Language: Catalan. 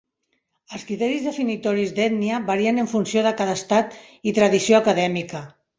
Els criteris definitoris d'ètnia varien en funció de cada estat i tradició acadèmica.